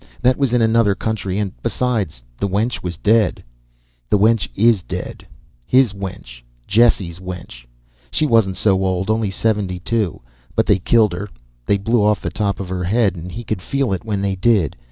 That was in another country and besides, the wench was dead. The wench is dead. His wench, Jesse's wench. She wasn't so old. Only seventy two. But they killed her, they blew off the top of her head and he could feel it when they did.